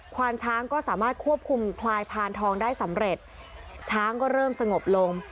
ความช้างก็สามารถควบคุมพลายพานทองได้สำเร็จช้างก็เริ่มสงบลง